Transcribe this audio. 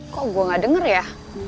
kok gue gak denger ya